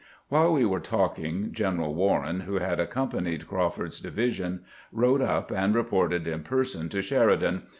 While we were talking, General "Warren, who had accompanied Crawford's divi sion, rode up and reported in person to Sheridan.